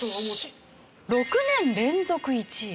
６年連続１位。